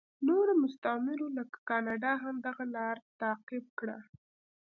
نورو مستعمرو لکه کاناډا هم دغه لار تعقیب کړه.